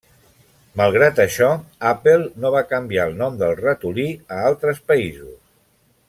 Malgrat això, Apple no va canviar el nom del ratolí a altres països.